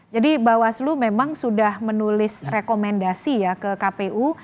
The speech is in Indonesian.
jadi bawaslu memang sudah menulis rekomendasi ya ke kpu